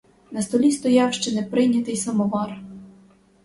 На столі стояв ще не прийнятий самовар.